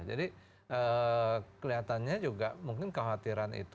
jadi kelihatannya juga mungkin kekhawatiran mereka itu